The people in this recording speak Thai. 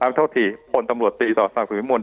อันเท่าที่พนธุ์ตำรวจตีต่อศักดิ์สู่อิมนต์